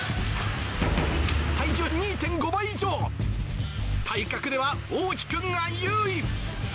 体重２．５倍以上、体格ではおうき君が優位。